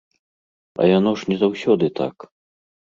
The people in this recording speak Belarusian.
А яно ж не заўсёды так.